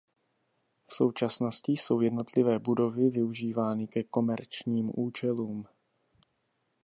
V současnosti jsou jednotlivé budovy využívány ke komerčním účelům.